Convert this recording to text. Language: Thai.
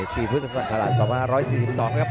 ปีพฤศจังหาราชสองพันธา๑๔๒ครับ